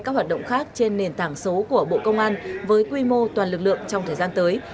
các hoạt động khác trên nền tảng số của bộ công an với quy mô toàn lực lượng trong thời gian tới